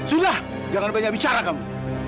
sudah jangan banyak bicara kamu